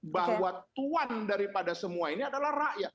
bahwa tuan daripada semua ini adalah rakyat